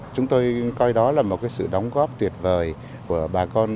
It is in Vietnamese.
chúng tôi coi đó là một sự đóng góp tuyệt vời của bà con